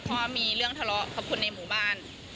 เพราะว่ามีเรื่องทะเลาะกับคนในหมู่บ้าน